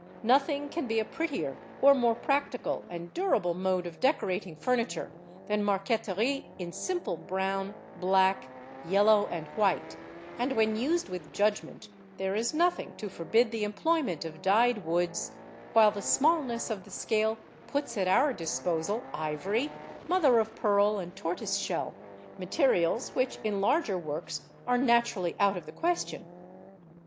Nothing can be a prettier or more practical and durable mode of decorating furniture than marqueterie in simple brown, black, yellow, and white; and when used with judgment there is nothing to forbid the employment of dyed woods; while the smallness of the scale puts at our disposal ivory, mother of pearl, and tortoise shell, materials which in larger works are naturally out of the question.